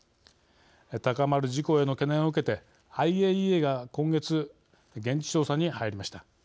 高まる事故への懸念を受けてＩＡＥＡが今月現地調査に入りました。